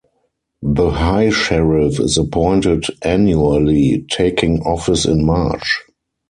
The High Sheriff is appointed annually, taking office in March.